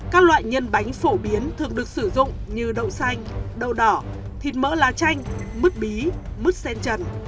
các loại nhân bánh phổ biến thường được sử dụng như đậu xanh đậu đỏ thịt mỡ lá chanh mứt bí mứt sen trần